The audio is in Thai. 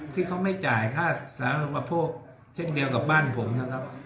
ที่เขาไม่จ่ายค่าสาธารณประโภคเช่นเดียวกับบ้านผมนะครับ